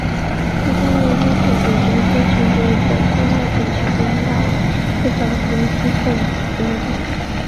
他加入了英国组织的非正规的编外警察并领导了一个小型机动巡逻队。